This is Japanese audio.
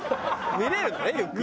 見れるのねゆっくり。